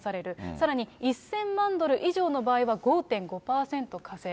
さらに、１０００万ドル以上の場合は、５．５％課税。